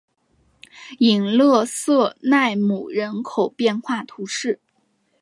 伊勒瑟奈姆人口变化图示